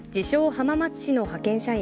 ・浜松市の派遣社員